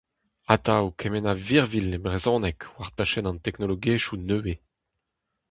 Atav kement a virvilh e brezhoneg war tachenn an teknologiezhioù nevez.